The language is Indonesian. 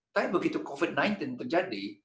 tapi begitu covid sembilan belas terjadi